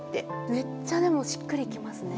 めっちゃでもしっくり来ますね。